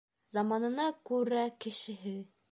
Заманына күрә кешеһе.